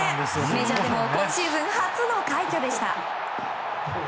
メジャーでも今シーズン初の快挙でした。